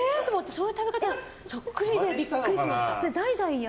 そういう食べ方、そっくりでビックリしました。